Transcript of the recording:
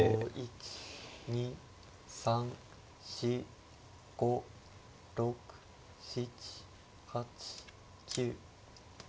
１２３４５６７８９。